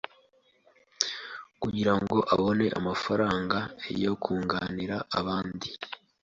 kugira ngo abone amafaranga yo kunganira abandi